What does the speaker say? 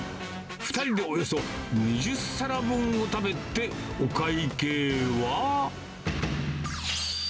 ２人でおよそ２０皿分を食べて、お会計は？